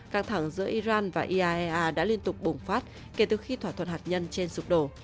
căng thẳng giữa iran và iaea đã liên tục bùng phát kể từ khi thỏa thuận hạt nhân trên sụp đổ